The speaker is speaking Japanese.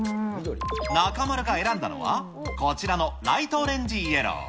中丸が選んだのは、こちらのライトオレンジイエロー。